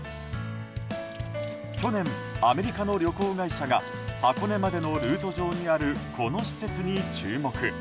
去年、アメリカの旅行会社が箱根までのルート上にあるこの施設に注目。